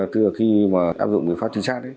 từ khi áp dụng quy pháp chính xác